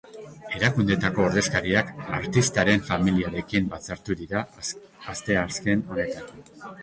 Erakundeetako ordezkariak artistaren familiarekin batzartu dira asteazken honetan.